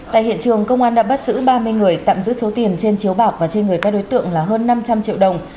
tại hiện trường công an đã bắt giữ ba mươi người tạm giữ số tiền trên chiếu bạc và trên người các đối tượng là hơn năm trăm linh triệu đồng